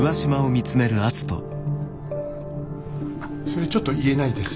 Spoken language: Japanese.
あそれちょっと言えないです。